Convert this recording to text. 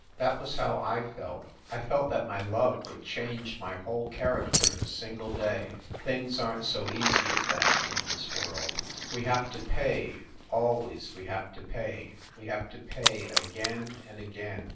That was how I felt. I thought that my love would change my whole character in a single day. Things aren t so easy as that, in this world. We have to THE SUITE AT THE PLAZA 135 pay, always we have to pay ! We have to pay again and again